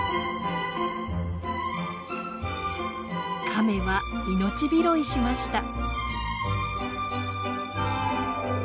カメは命拾いしました。